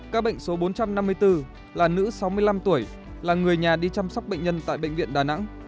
các bệnh số bốn trăm năm mươi bốn là nữ sáu mươi năm tuổi là người nhà đi chăm sóc bệnh nhân tại bệnh viện đà nẵng